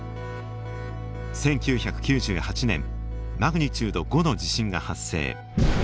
１９９８年マグニチュード５の地震が発生。